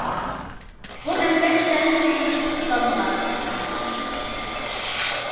بۇ مەنزىرە كىشىلەرنىڭ كۆزىدىن قېچىپ قۇتۇلالمىغان.